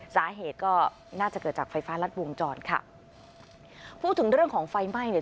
สาเหตุก็น่าจะเกิดจากไฟฟ้ารัดวงจรค่ะพูดถึงเรื่องของไฟไหม้เนี่ย